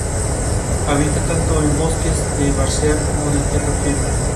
Habita tanto en bosques de várzea como de "terra firme".